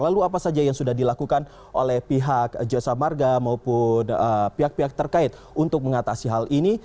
lalu apa saja yang sudah dilakukan oleh pihak jasa marga maupun pihak pihak terkait untuk mengatasi hal ini